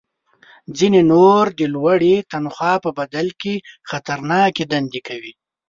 ځینې نور د لوړې تنخوا په بدل کې خطرناکې دندې کوي